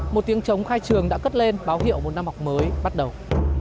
một tiếng trống khai trường đã cất lên báo hiệu một năm học mới bắt đầu